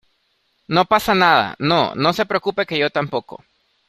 no pasa nada. no, no se preocupe que yo tampoco